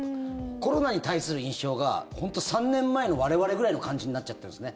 コロナに対する印象が本当３年前の我々ぐらいの感じになっちゃってるんですね。